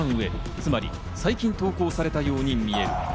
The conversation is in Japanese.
つまり最近投稿されたように見える。